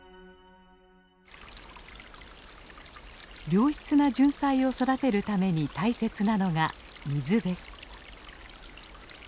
良質なジュンサイを育てるために大切なのが水です。